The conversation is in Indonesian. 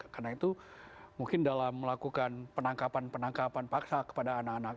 karena itu mungkin dalam melakukan penangkapan penangkapan paksa kepada anak anak